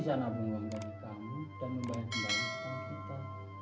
dan membayangkan bangsa kita